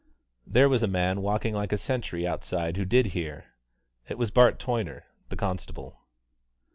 There was a man walking like a sentry outside who did hear. It was Bart Toyner, the constable.